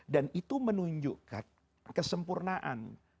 dan itu menunjukkan kesempurnaan